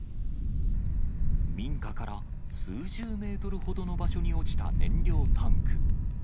民家から数十メートルほどの場所に落ちた燃料タンク。